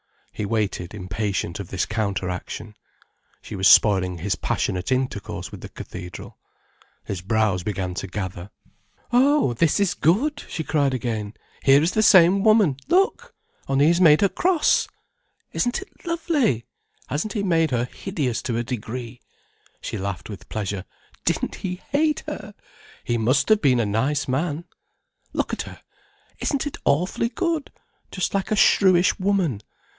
He waited impatient of this counteraction. She was spoiling his passionate intercourse with the cathedral. His brows began to gather. "Oh, this is good!" she cried again. "Here is the same woman—look!—only he's made her cross! Isn't it lovely! Hasn't he made her hideous to a degree?" She laughed with pleasure. "Didn't he hate her? He must have been a nice man! Look at her—isn't it awfully good—just like a shrewish woman.